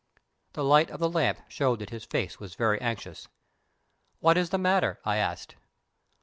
The light of the lamp showed that his face was very anxious. "What is the matter?" I asked.